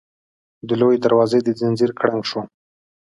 د لويي دروازې د ځنځير کړنګ شو.